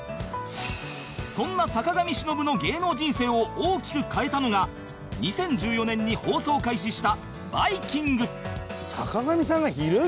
そんな坂上忍の芸能人生を大きく変えたのが２０１４年に放送開始した『バイキング』